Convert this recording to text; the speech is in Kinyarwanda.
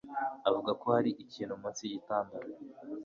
Avuga ko hari ikintu munsi yigitanda